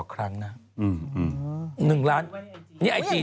จากกระแสของละครกรุเปสันนิวาสนะฮะ